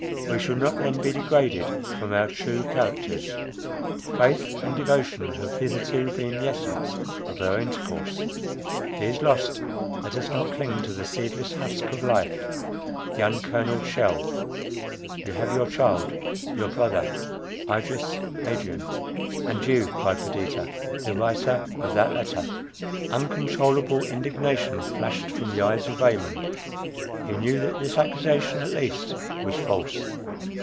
We shall not then be degraded from our true characters. Faith and devotion have hitherto been the essence of our intercourse;—these lost, let us not cling to the seedless husk of life, the unkernelled shell. You have your child, your brother, Idris, Adrian"— "And you," cried Perdita, "the writer of that letter." Uncontrollable indignation flashed from the eyes of Raymond. He knew that this accusation at least was false.